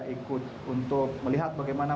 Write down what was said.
ikut untuk melihat bagaimana